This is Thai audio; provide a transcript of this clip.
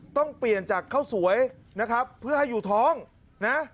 ต้องเปลี่ยนจากข้าวสวยนะครับเพื่อให้อยู่ท้องนะ